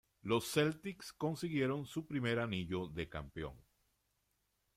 Los Celtics consiguieron su primer anillo de campeón.